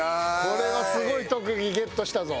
これはすごい特技ゲットしたぞ。